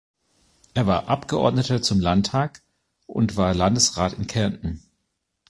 Er war Abgeordneter zum Landtag und war Landesrat in Kärnten.